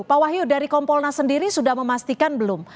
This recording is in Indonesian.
pak wahyu dari kompolnas sendiri sudah memastikan belum